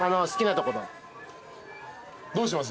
どうします？